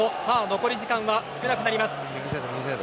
残り時間が少なくなります。